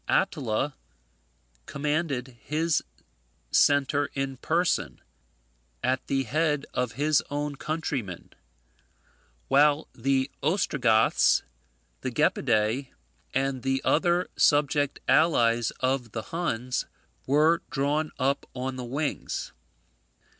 Attila commanded his centre in person, at the head of his own countrymen, while the Ostrogoths, the Gepidae, and the other subject allies of the Huns, were drawn up on the wings.